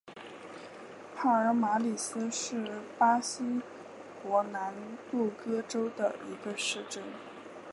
帕尔马里斯是巴西伯南布哥州的一个市镇。